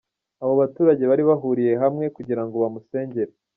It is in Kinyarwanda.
Abo baturage bari bahuriye hamwe kugira ngo bamusengere.